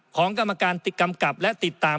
ของกรรมการติดกำกับและติดตาม